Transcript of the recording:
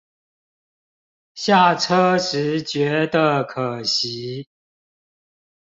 下車時覺得可惜